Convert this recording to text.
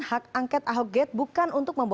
hak angket ahok gait bukan untuk memperoleh